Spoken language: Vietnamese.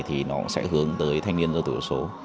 thì nó sẽ hướng tới thanh niên do tuổi số